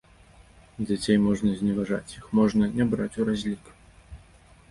Дзяцей можна зневажаць, іх можна не браць у разлік.